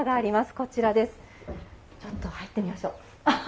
こちらです、入ってみましょう。